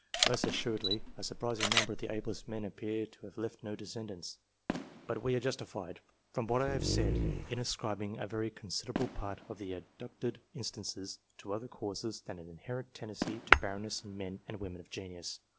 Most assuredly, a surprising number of the ablest men appear to have left no descendants ; but we are justified, from what I have said, in ascribing a very considerable part of the adduced instances to other causes than an inherent tendency to barrenness in men and women of genius.